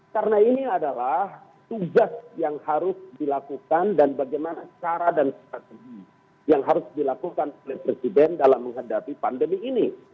karena ini adalah tugas yang harus dilakukan dan bagaimana cara dan strategi yang harus dilakukan oleh presiden dalam menghadapi pandemi ini